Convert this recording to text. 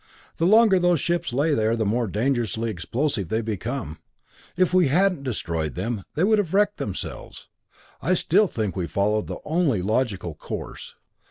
The longer those ships lay there the more dangerously explosive they became. If we hadn't destroyed them, they would have wrecked themselves. I still think we followed the only logical course.